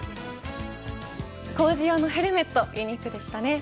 工場のヘルメットユニークでしたね。